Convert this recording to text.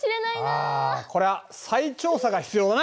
あこりゃ再調査が必要だな。